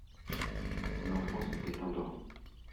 L'enfant s'était endormi.